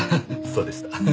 そうでした。